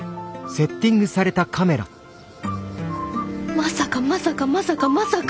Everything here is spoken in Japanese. まさかまさかまさかまさか。